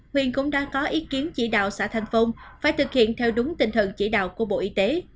huyện cũng đã có ý kiến chỉ đạo xã thành phong phải thực hiện theo đúng tinh thần chỉ đạo của bộ y tế